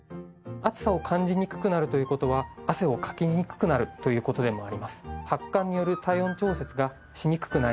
暑さを感じにくくなるという事は汗をかきにくくなるという事でもあります。